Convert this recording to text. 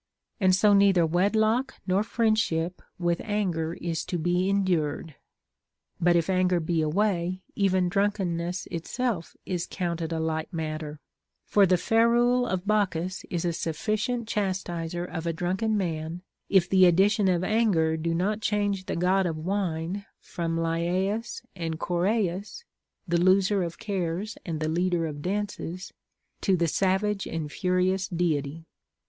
And so neither wedlock nor friendship with anger is to be endured ; but if anger be away, even drunkenness itself is counted a light matter For the ferule of Bacchus is a sufficient chastiser of a drunken man, if the addition of anger do not change the God of wine from Lyaeus and Choraeus (the looser of cares and the leader of dances) to the savage and furious deity.